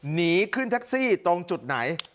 หนีขึ้นแท็กซี่ตรงจุดไหน